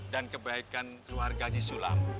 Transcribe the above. dan kebaikan keluarga haji sulam